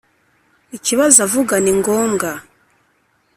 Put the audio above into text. [ikibazo avuga ni ngombwa.